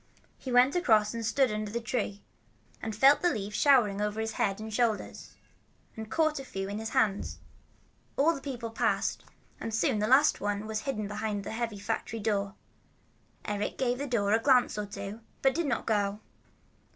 He went across and stood under the tree, and felt the leaves showering on his head and shoulders, and caught a few in his hands. All the people passed, and soon the last one was hidden behind the heavy factory door. Eric gave the door a glance or two, but did not go.